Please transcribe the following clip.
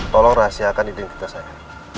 tolong rahasiakan identitas saya